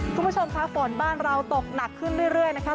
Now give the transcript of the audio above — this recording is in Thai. คุณผู้ชมค่ะฝนบ้านเราตกหนักขึ้นเรื่อยนะคะ